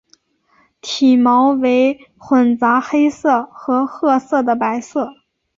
体毛为混杂黑色和褐色的白色。